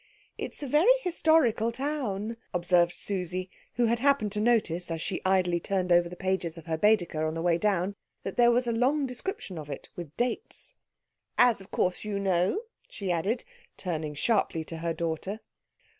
"It's a very historical town," observed Susie, who had happened to notice, as she idly turned over the pages of her Baedeker on the way down, that there was a long description of it with dates. "As of course you know," she added, turning sharply to her daughter.